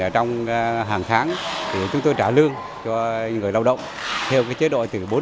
trong hàng tháng chúng tôi trả lương cho người lao động theo chế độ từ bốn triệu tám đến năm triệu người trên tháng